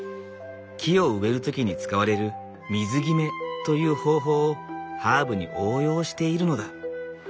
木を植える時に使われる水極めという方法をハーブに応用しているのだ。